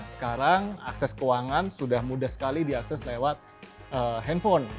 sekarang akses keuangan sudah mudah sekali diakses lewat handphone